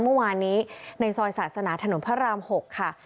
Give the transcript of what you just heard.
เมื่อวานนี้ในซอยศาสนาถนนพระราม๖ค่ะ